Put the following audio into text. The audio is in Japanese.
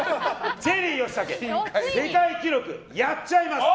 チェリー吉武世界記録やっちゃいます。